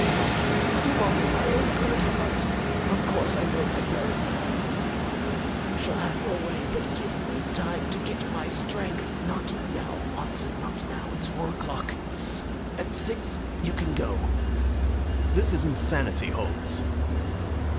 "You've only my own good at heart. Of course I know that very well. You shall have your way, but give me time to get my strength. Not now, Watson, not now. It's four o'clock. At six you can go." "This is insanity, Holmes."